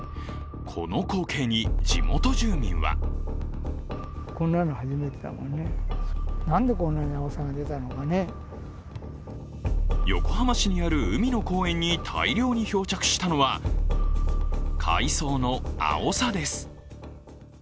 この光景に、地元住民は横浜市にある海の公園に大量に漂着したのは海藻のアオサです。